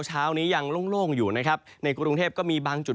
เช้านี้ยังโล่งอยู่นะครับในกรุงเทพก็มีบางจุด